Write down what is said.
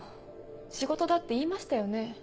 仕事だって言いましたよね。